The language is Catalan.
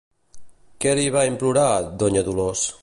Què li va implorar Donya Dolors?